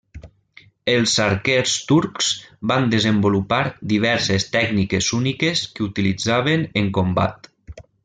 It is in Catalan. Els arquers turcs van desenvolupar diverses tècniques úniques que utilitzaven en combat.